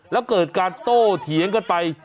แล้วเกิดการโต้เถียงกันไป